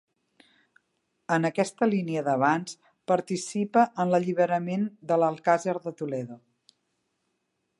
En aquesta línia d'avanç participa en l'alliberament de l'Alcàsser de Toledo.